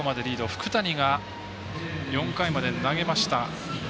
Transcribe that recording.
福谷が４回まで投げました。